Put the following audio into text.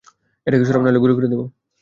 এটাকে সরাও, নাইলে গুলি করে দিবো।